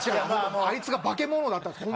あいつが化け物だったんです